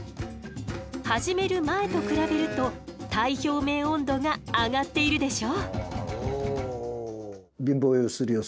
始める前と比べると体表面温度が上がっているでしょ？